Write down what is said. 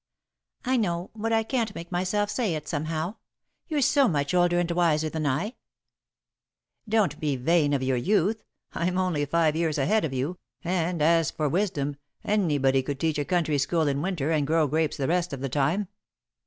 "I know, but I can't make myself say it, somehow. You're so much older and wiser than I." "Don't be vain of your youth. I'm only five years ahead of you, and, as for wisdom, anybody could teach a country school in Winter and grow grapes the rest of the time."